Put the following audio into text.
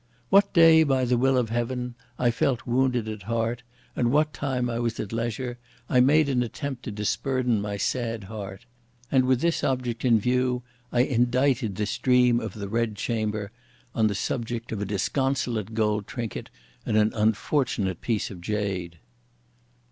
What day, by the will of heaven, I felt wounded at heart, and what time I was at leisure, I made an attempt to disburden my sad heart; and with this object in view I indited this Dream of the Bed Chamber, on the subject of a disconsolate gold trinket and an unfortunate piece of jade.